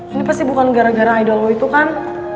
ini pasti bukan gara gara idol lo itu kan